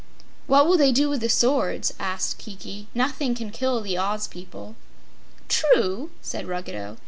"What will they do with the swords?" asked Kiki. "Nothing can kill the Oz people." "True," said Ruggedo.